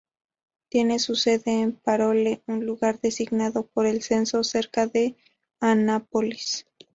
Tiene su sede en Parole, un lugar designado por el censo cerca de Annapolis.